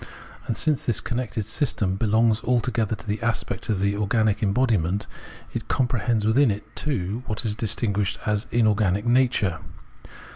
And since this connected system belongs altogether to the aspect of the organic embodiment, it comprehends within it too what is distinguished as inorganic nature.